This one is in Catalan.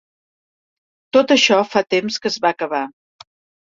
Tot això fa temps que es va acabar.